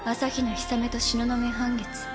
氷雨と東雲半月